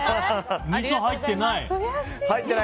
みそ入ってない？